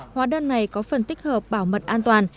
hóa đơn này có phần tích hợp bảo mật an toàn